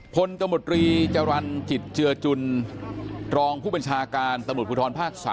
พลตมตรีจรรจิตเจือจุลรองผู้เป็นชาการตำรวจผู้ท้อนภาค๓